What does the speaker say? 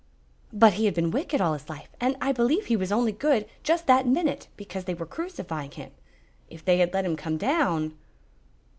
"But he had been wicked all his life, and I believe he was only good, just that minute, because they were crucifying him. If they had let him come down.